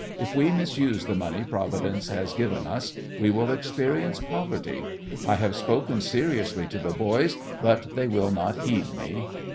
If we misuse the money Providence has given us we will experience poverty. I have spoken seriously to the boys, but they will not heed me.